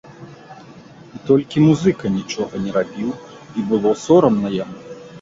І толькі музыка нічога не рабіў, і было сорамна яму.